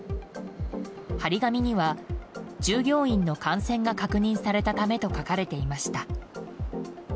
貼り紙には、従業員の感染が確認されたためと書かれていました。